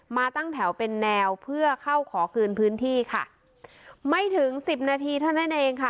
มาตั้งแถวเป็นแนวเพื่อเข้าขอคืนพื้นที่ค่ะไม่ถึงสิบนาทีเท่านั้นเองค่ะ